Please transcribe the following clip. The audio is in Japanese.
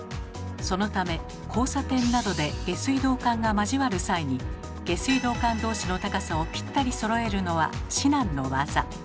そのため交差点などで下水道管が交わる際に下水道管同士の高さをピッタリそろえるのは至難の業。